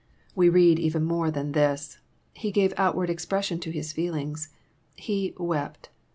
We read even more than this. He gave outward expression to His feelings: He "wept."